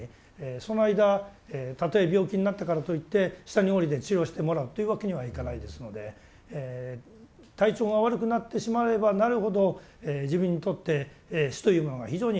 その間たとえ病気になったからといって下に下りて治療してもらうというわけにはいかないですので体調が悪くなってしまえばなるほど自分にとって死というものが非常に近くまた感じてくる。